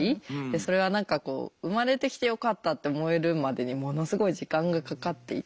でそれは何かこう生まれてきてよかったって思えるまでにものすごい時間がかかっていて。